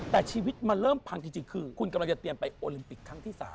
แต่ชีวิตมันเริ่มพังจริงคือคุณกำลังจะเตรียมไปโอลิมปิกครั้งที่๓